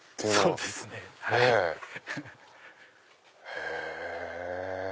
へぇ！